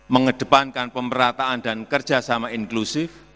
mengedepankan pemerataan dan kerjasama inklusif